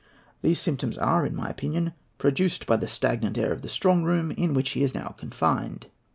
These symptoms are, in my opinion, produced by the stagnant air of the Strong Room in which he is now confined."